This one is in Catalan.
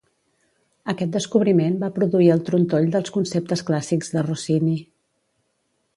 Aquest descobriment va produir el trontoll dels conceptes clàssics de Rossini.